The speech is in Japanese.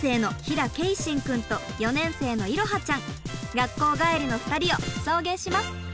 学校帰りの２人を送迎します！